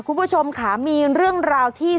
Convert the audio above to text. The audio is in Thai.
คุณผู้ชมค่ะมีเรื่องราวที่